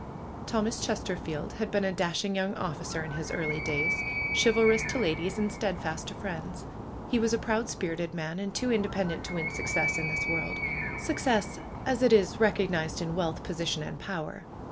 Thomas Chesterfield had been a dashing young officer in his early days ; chivalrous to ladies, and steadfast to friends. He was a proud spirited man, and too inde pendent to win success in this world; success as it is recognized in wealth, position and power.